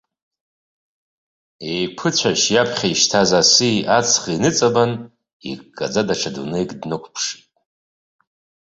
Еиқәыцәашь иаԥхьа ишьҭаз аси аҵхи ныҵабан, иккаӡа даҽа дунеик днықәыԥшит.